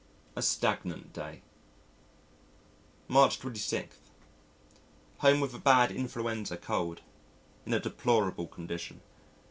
A stagnant day! March 26. Home with a bad influenza cold. In a deplorable condition.